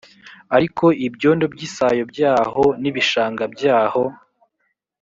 ariko ibyondo by isayo byaho n ibishanga byaho